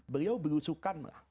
beliau berusukan lah